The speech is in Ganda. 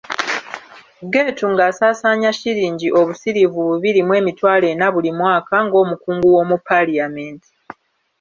Geetu ng'asaasaanya shillingi obusiriivu bubiri mu emitwalo ena buli mwaka ng'omukungu w'omu Parliament.